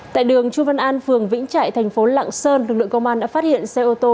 tại đường chu văn an phường vĩnh trại thành phố lạng sơn lực lượng công an đã phát hiện xe ô tô